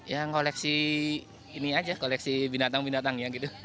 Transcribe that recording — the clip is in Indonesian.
ya koleksi ini aja koleksi binatang binatang